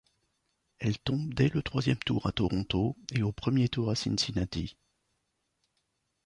Elle tombe dès le troisième tour à Toronto et au premier tour à Cincinnati.